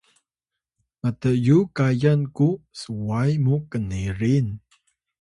Batu: mt’yu kayan ku sway muw knerin